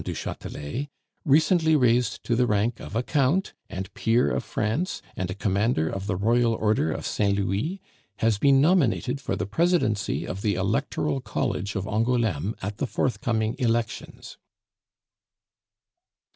du Chatelet, recently raised to the rank of a Count and Peer of France and a Commander of the Royal Order of St. Louis, has been nominated for the presidency of the electoral college of Angouleme at the forthcoming elections."